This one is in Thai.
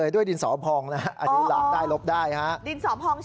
ดินสอบฮองใช่ไหม